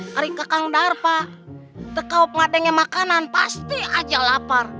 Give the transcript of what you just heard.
kali ini kekang darpa kalau ada makanan pasti aja lapar